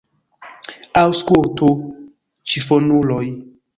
Aŭskultu, ĉifonuloj!